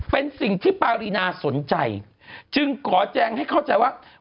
เป็นสิ่งที่ปารีนาสนใจจึงขอแจ้งให้เข้าใจว่า